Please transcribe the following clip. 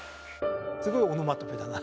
すごいオノマトペだな。